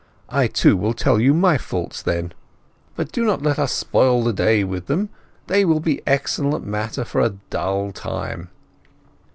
I, too, will tell you my faults then. But do not let us spoil the day with them; they will be excellent matter for a dull time."